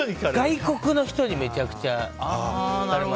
外国の人にめちゃくちゃ聞かれます。